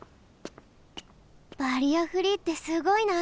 バリアフリーってすごいな。